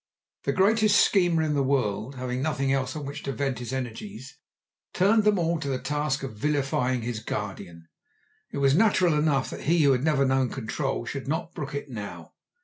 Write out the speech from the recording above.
The greatest schemer in the world, having nothing else on which to vent his energies, turned them all to the task of vilifying his guardian. It was natural enough that he who had never known control should not brook it now.